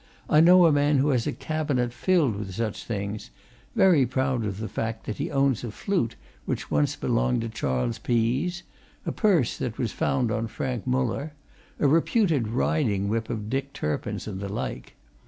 I know a man who has a cabinet filled with such things very proud of the fact that he owns a flute which once belonged to Charles Pease; a purse that was found on Frank Muller; a reputed riding whip of Dick Turpin's and the like.